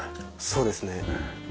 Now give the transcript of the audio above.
そうですね。